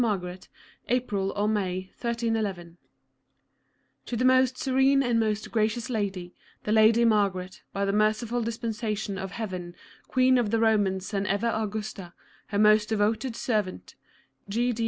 cit., No. 7972). EPISTOLA VII 115 Translation To the most serene and most gracious Lady, the Lady Margaret, oy the merciful dispensation ofHeaven Queen of the Romans and ever Augusta, her most devoted servant, G.